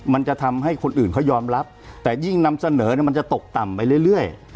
มันจะทำให้คนอื่นเขายอมรับแต่ยิ่งนำเสนอมันจะตกต่ำไปเรื่อย